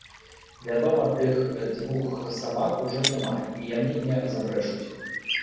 Вядома, тых двух сабак ужо няма і яны не забрэшуць.